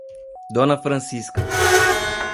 Dona Francisca